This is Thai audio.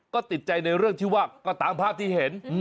ก็ติดใจในเรื่องที่ว่าก็ตามภาพที่เห็น